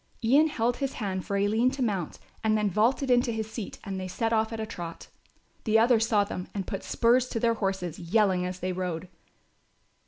Ian held his hand for Aline to mount and then vaulted into his seat and they set off at a trot. The others saw them and put spurs to their horses, yelling as they rode.